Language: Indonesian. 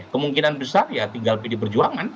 kemungkinan besar ya tinggal pdi perjuangan